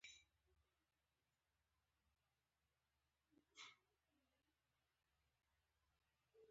سر یې ځړېدلی و هېڅ یې نه ویل !